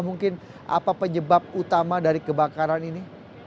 mungkin apa penyebab utama dari kebakaran ini